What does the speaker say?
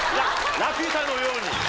『ラピュタ』のように。